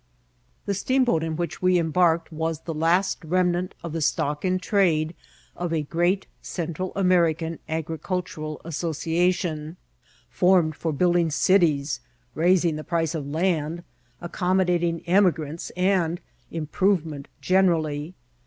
The steamboat in which we embarked was the last remnant of the stock in trade of a great Central Amer ican agricultural association, formed for building cities, raising the price of land, accommodating emigrants, and improvement generally.